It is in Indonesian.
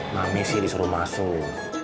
mami sih disuruh masuk